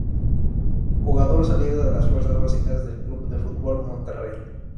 Jugador salido de las Fuerzas Básicas del Club de Fútbol Monterrey.